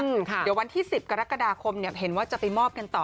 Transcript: เดี๋ยววันที่๑๐กรกฎาคมเนี่ยเห็นว่าจะไปมอบกันต่อ